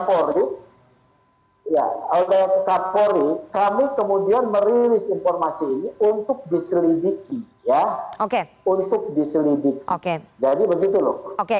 oleh kapolri kami kemudian merilis informasi ini untuk diselidiki